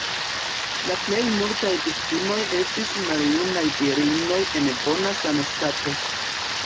La plej multaj viktimoj estis maljunaj virinoj en bona sanstato.